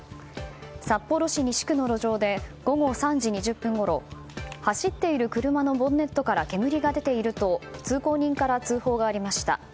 札幌市西区の路上で午後３時２０分ごろ走っている車のボンネットから煙が出ていると通行人から通報がありました。